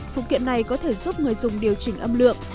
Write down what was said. phụ kiện này có thể giúp người dùng điều chỉnh âm lượng